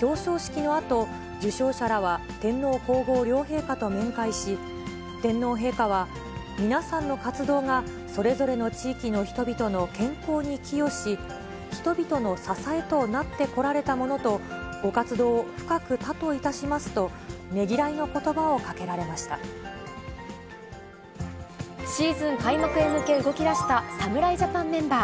表彰式のあと、受賞者らは天皇皇后両陛下と面会し、天皇陛下は皆さんの活動がそれぞれの地域の人々の健康に寄与し、人々の支えとなってこられたものとご活動を深く多といたしますと、ねぎらいのことばをかけらシーズン開幕へ向け、動きだした侍ジャパンメンバー。